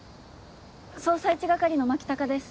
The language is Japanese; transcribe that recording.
捜査一係の牧高です。